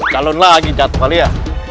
calon lagi jatuh kali ya